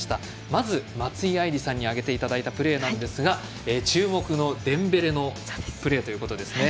まず、松井愛莉さんに挙げていただいたプレーですが、注目のデンベレのプレーということですね。